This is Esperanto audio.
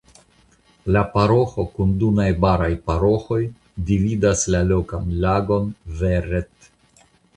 La paroĥo kun du najbaraj paroĥoj dividas la lokan lagon Verret.